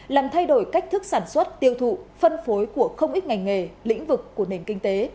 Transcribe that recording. làm thay đổi cách thức sản xuất tiêu thụ phân phối của không ít ngành nghề lĩnh vực của nền kinh tế